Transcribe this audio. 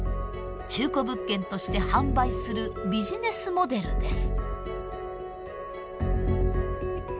中古物件として販売するビジネスモデルです。